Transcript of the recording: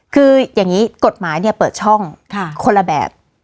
คืออย่างนี้กฎหมายเนี่ยเปิดช่องคนละแบบ